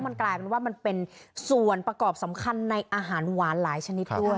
มันกลายเป็นว่ามันเป็นส่วนประกอบสำคัญในอาหารหวานหลายชนิดด้วย